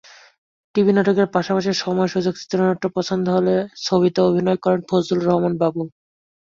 TV নাটকের পাশাপাশি সময়-সুযোগ, চিত্রনাট্য পছন্দ হলে ছবিতেও অভিনয় করেন ফজলুর রহমান বাবু।